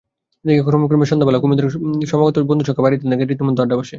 এদিকে ক্রমে ক্রমে সন্ধ্যাবেলা কুমুদের সমাগত বন্ধুর সংখ্যা বাড়িতে থাকে, রীতিমতো আড্ডা বসে।